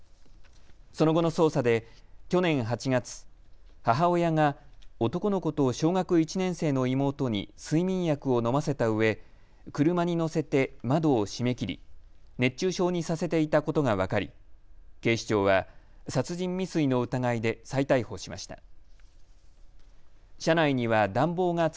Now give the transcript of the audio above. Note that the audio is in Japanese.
その後の捜査で去年８月、母親が男の子と小学１年生の妹に睡眠薬を飲ませたうえ車に乗せて窓を閉めきり熱中症にさせていたことが分かり警視庁は殺人未遂の疑いで再逮捕しました。